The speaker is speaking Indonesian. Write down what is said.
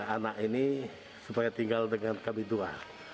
anak ini supaya tinggal dengan kabin dua